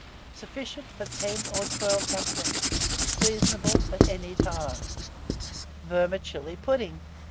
Sufficient for 10 or 12 dumplings. Seasonable at any time. VERMICELLI PUDDING.